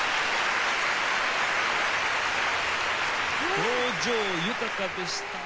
表情豊かでしたね。